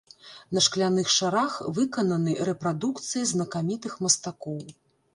На шкляных шарах выкананы рэпрадукцыі знакамітых мастакоў.